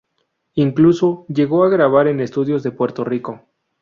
Incluso, llegó a grabar en estudios de Puerto Rico.